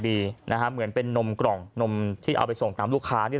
ดีนะฮะเหมือนเป็นนมกล่องนมที่เอาไปส่งตามลูกค้านี่